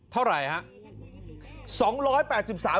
เท่าไหร่ฮะ